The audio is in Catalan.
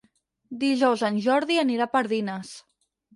Dijous en Jordi anirà a Pardines.